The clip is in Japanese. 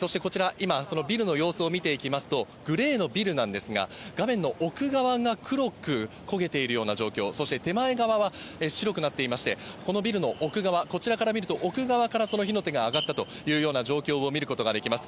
今、そのビルの様子を見ていきますと、グレーのビルなんですが、画面の奥側が黒く焦げているような状況、そして手前側は白くなっていまして、このビルの奥側、こちらから見ると、奥側から、その火の手が上がったというような状況を見ることができます。